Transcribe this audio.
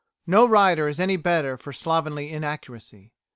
No writer is any the better for slovenly inaccuracy.